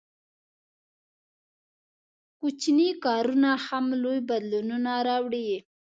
• کوچني کارونه هم لوی بدلونونه راوړي.